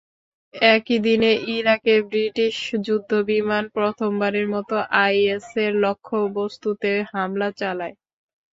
একই দিনে ইরাকে ব্রিটিশ যুদ্ধবিমান প্রথমবারের মতো আইএসের লক্ষ্যবস্তুতে হামলা চালায়।